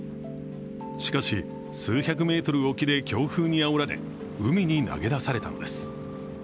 しかし、数百メートル沖で強風にあおられ海に投げ出されたのです。